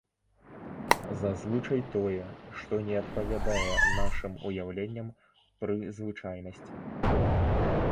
Зазвычай тое, што не адпавядае нашым уяўленням пры звычайнасць.